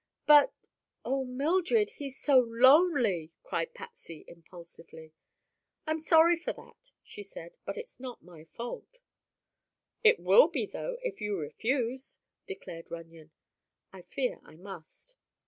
"But—oh, Mildred— he's so lonely," cried Patsy, impulsively. "I'm sorry for that," she said, "but it is not my fault." "It will be, though, if you refuse," declared Runyon. "I fear I must."